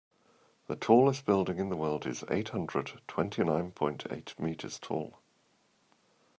The tallest building in the world is eight hundred twenty nine point eight meters tall.